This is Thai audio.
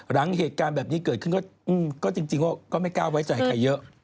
หลังเหตุการณ์แบบนี้เกิดขึ้นก็จริงก็ไม่กล้าไว้ใจใครเยอะ